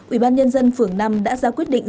ubnd phưởng nam đã ra quyết định